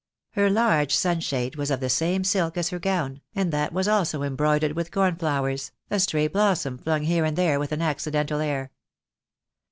Her large sunshade was of the same silk as her gown, and that was also em broidered with cornflowers, a stray blossom flung here and there with an accidental air.